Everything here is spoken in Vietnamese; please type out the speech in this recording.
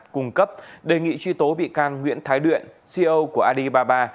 cùng cấp đề nghị truy tố bị can nguyễn thái luyện ceo của alibaba